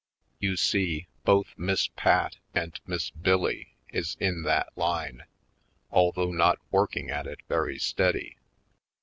You see, both Miss Pat and Miss Bill Lee is in that line, although not working at it very steady.